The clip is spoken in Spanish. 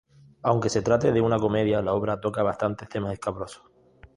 Aunque se trate de una comedia la obra toca bastantes temas escabrosos.